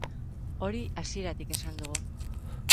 Hori hasieratik esan dugu.